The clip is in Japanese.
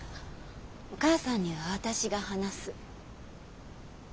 お母さんには私が話す。